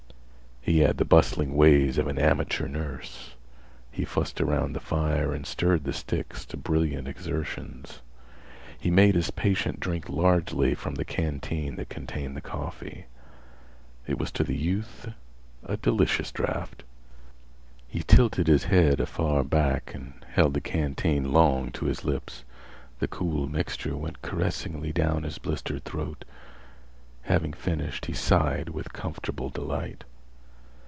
He had the bustling ways of an amateur nurse. He fussed around the fire and stirred the sticks to brilliant exertions. He made his patient drink largely from the canteen that contained the coffee. It was to the youth a delicious draught. He tilted his head afar back and held the canteen long to his lips. The cool mixture went caressingly down his blistered throat. Having finished, he sighed with comfortable delight.